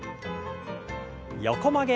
横曲げ。